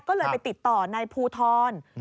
ก็เลยไปติดต่อนายภูทร